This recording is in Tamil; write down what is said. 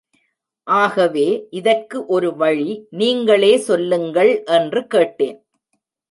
ஆகவே இதற்கு ஒரு வழி நீங்களே சொல்லுங்கள் என்று கேட்டேன்.